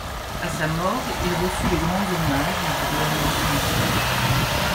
À sa mort il reçut de grands hommages du gouvernement français.